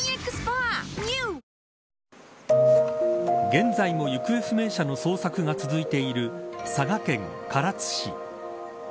現在も行方不明者の捜索が続いている佐賀県唐津市。